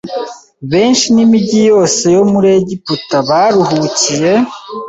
benshi n’imijyi yose yo muri Egiputa baruhukiye